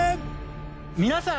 皆さん！